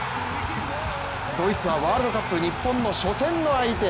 ドイツはワールドカップ、日本の初戦の相手。